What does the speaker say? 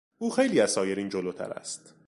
او خیلی از سایرین جلوتر است.